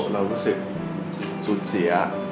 เรารู้สึกสูญเสีย